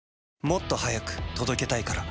もっと速く届けたいから。